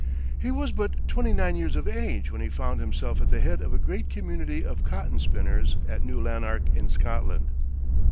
He was but twenty nine years of age when he found himself at the head of a great community of cotton spinners at New Lanark in Scotland.